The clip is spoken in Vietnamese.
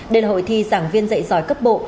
đây là hội thi giảng viên dạy giỏi cấp bộ